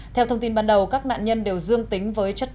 theo thông tin ban đầu các nạn nhân đều dương tính với chất